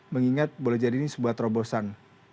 mengingat boleh jadi ini sebuah terobosan